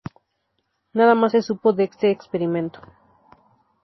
Nada más se supo de este experimento.